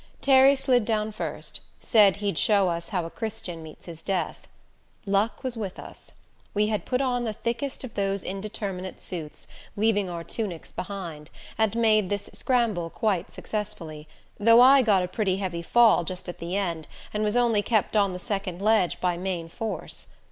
Terry slid down first said he'd show us how a Christian meets his death. Luck was with us. We had put on the thickest of those intermediate suits, leaving our tunics behind, and made this scramble quite successfully, though I got a pretty heavy fall just at the end, and was only kept on the second ledge by main force.